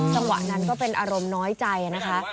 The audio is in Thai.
จังหวะนั้นก็เป็นอารมณ์น้อยใจนะคะ